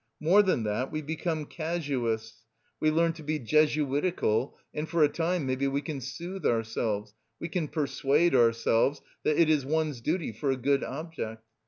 More than that, we become casuists, we learn to be Jesuitical and for a time maybe we can soothe ourselves, we can persuade ourselves that it is one's duty for a good object.